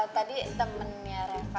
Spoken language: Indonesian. tadi temennya reva